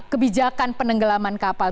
kebijakan penenggelaman kapal